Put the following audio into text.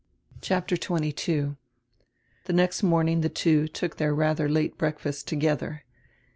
CHAPTER XXII THE next morning the two took their rather late breakfast together.